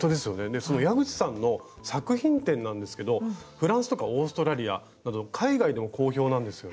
でその矢口さんの作品展なんですけどフランスとかオーストラリアなど海外でも好評なんですよね。